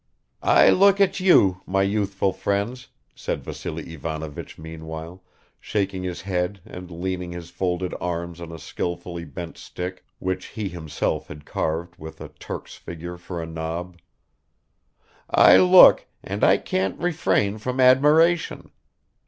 "I look at you, my youthful friends," said Vassily Ivanovich meanwhile, shaking his head and leaning his folded arms on a skillfully bent stick which he himself had carved with a Turk's figure for a knob. "I look, and I can't refrain from admiration.